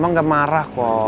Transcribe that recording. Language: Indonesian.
mama gak marah kok